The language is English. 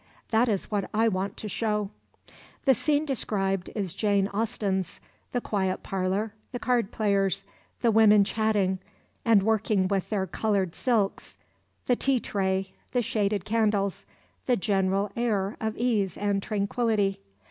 That is what I want to show." The scene described is Jane Austen's the quiet parlour, the card players, the women chatting, and working with their coloured silks, the tea tray, the shaded candles, the general air of ease and tranquillity.